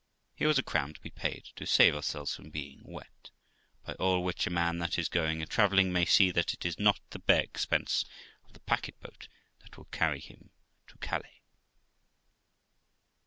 here was a crown to be paid, to save ourselves from being wet, by all which a man that is going a travelling may see that it is not the bare expense of the packet boat that will carry him to Calais.